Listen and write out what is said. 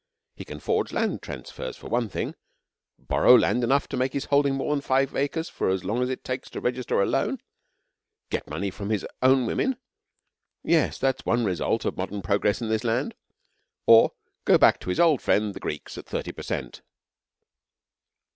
He can forge land transfers for one thing; borrow land enough to make his holding more than five acres for as long as it takes to register a loan; get money from his own women (yes, that's one result of modern progress in this land!) or go back to his old friend the Greek at 30 per cent.'